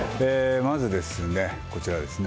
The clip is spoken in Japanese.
まずですね、こちらですね。